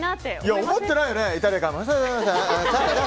思ってないよね。